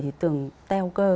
thì thường teo cơ